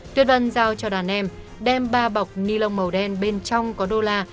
tuyết ân giao cho đàn em đem ba bọc ni lông màu đen bên trong có đô la